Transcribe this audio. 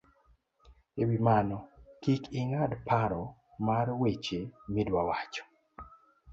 E wi mano, kik ing'ad paro mar weche miduawacho